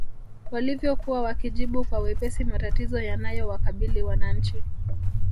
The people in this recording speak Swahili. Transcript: Walivyokuwa wakijibu kwa wepesi matatizo yanayowakabili wananchi